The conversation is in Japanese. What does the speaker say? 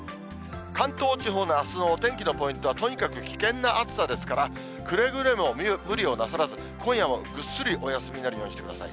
関東地方のあすのお天気のポイントは、とにかく危険な暑さですから、くれぐれも無理をなさらず、今夜もぐっすりお休みになるようにしてください。